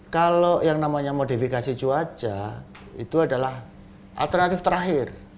kalau yang namanya modifikasi cuaca itu adalah alternatif terakhir